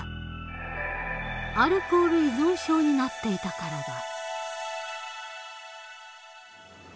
アルコール依存症になっていたからだ。